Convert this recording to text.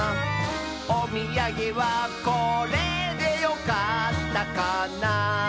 「おみやげはこれでよかったかな」